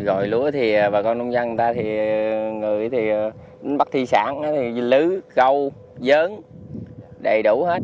rồi lúa thì bà con nông dân người thì bắt thi sản lứ gâu giớn đầy đủ hết